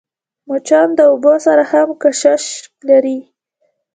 مچان د اوبو سره هم کشش لري